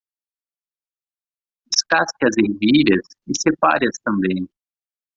Descasque as ervilhas e separe-as também.